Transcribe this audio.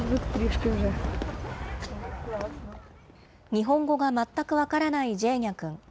日本語が全く分からないジェーニャ君。